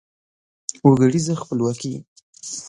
وګړیزه خپلواکي